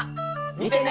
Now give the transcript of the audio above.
見てね。